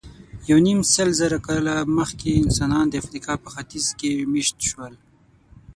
یونیمسلزره کاله مخکې انسانان د افریقا په ختیځ کې مېشته شول.